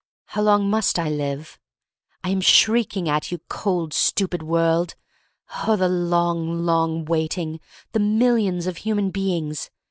How long must I live? I am shrieking at you, cold, stupid world. Oh, the long, long waiting! The millions of human beings!